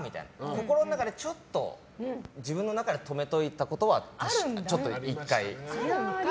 心の中で、ちょっと自分の中で止めておいたことはちょっと、１回。